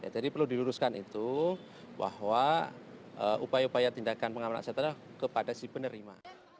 jadi perlu diluruskan itu bahwa upaya upaya tindakan pengamalan kesehatan kepada penerima